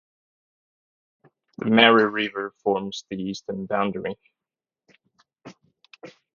The "Mary River" forms the eastern boundary.